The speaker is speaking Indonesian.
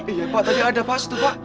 iya pak tadi ada pasti pak